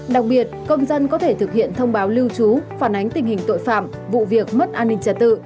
đặc biệt công dân có thể thực hiện thông báo lưu trú phản ánh tình hình tội phạm vụ việc mất an ninh trật tự